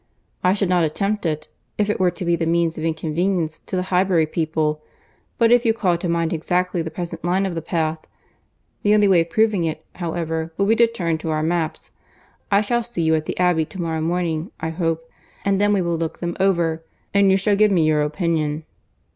I should not attempt it, if it were to be the means of inconvenience to the Highbury people, but if you call to mind exactly the present line of the path.... The only way of proving it, however, will be to turn to our maps. I shall see you at the Abbey to morrow morning I hope, and then we will look them over, and you shall give me your opinion."